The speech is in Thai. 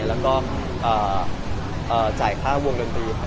แล้วก็จ่ายค่าวงดนตรีทั้งหมดเลย